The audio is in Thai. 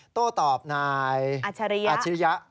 โต้ตอบนายอาชิริยะ